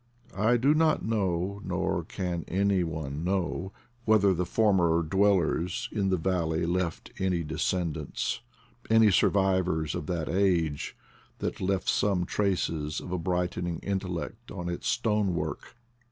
I do not know, nor can any one know, whether the former dwellers in the valley left any descend ants, any survivors of that age that left some traces of a brightening intellect on its stone work.